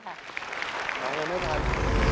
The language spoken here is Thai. หาเงินไม่ทัน